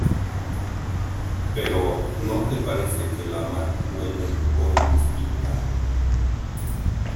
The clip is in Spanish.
pero ¿ no te parece que la mar huele hoy distinta?